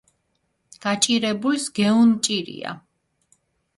გაჭირებულს გეუნჭირია